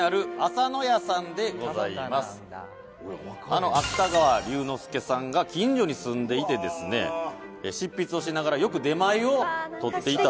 「あの芥川龍之介さんが近所に住んでいてですね執筆をしながらよく出前を取っていたそうです」